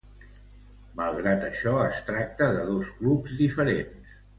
Malgrat això, es tracta de dos clubs diferents.